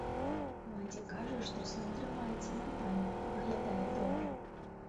Маці кажа, што сын трымаецца нармальна, выглядае добра.